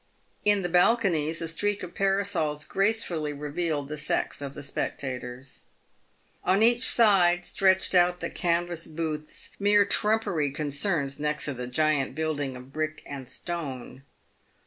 In the balconies a streak of parasols gracefully revealed the sex of the spec tators. On each side stretched out the canvas booths, mere trumpery concerns next to the giant building of brick and stone.